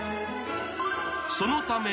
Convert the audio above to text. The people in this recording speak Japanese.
［そのため］